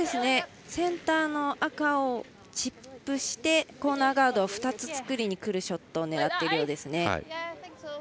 センターの赤をチップしてコーナーガードを２つ作りにくるショットを狙っているようですね。